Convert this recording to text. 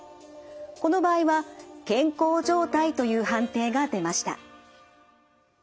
この場合は健康状態という判定が出ました。